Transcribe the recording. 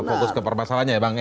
fokus ke permasalahannya ya bang